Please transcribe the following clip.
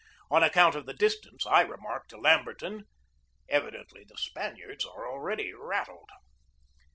On account of the dis tance, I remarked to Lamberton: "Evidently the Spaniards are already rattled."